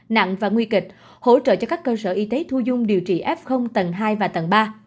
nặng và nguy kịch hỗ trợ cho các cơ sở y tế thu dung điều trị f tầng hai và tầng ba